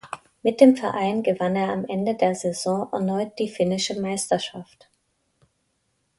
Mit dem Verein gewann er am Ende der Saison erneut die finnische Meisterschaft.